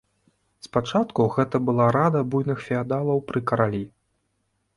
Спачатку гэта была рада буйных феадалаў пры каралі.